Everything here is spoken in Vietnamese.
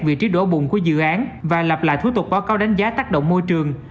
vị trí đổ bụng của dự án và lặp lại thủ tục báo cáo đánh giá tác động môi trường